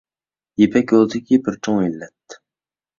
يىپەك يولىدىكى بىر چوڭ ئىللەت